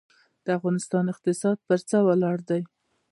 د افغانستان اقتصاد پر څه ولاړ دی؟